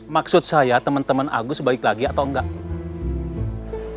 maksud saya temen temen agus baik lagi atau enggak